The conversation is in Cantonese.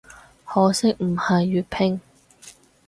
可惜唔係粵拼